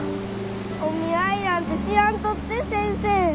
お見合いなんてしやんとって先生。